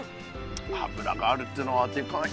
油があるっていうのはでかい。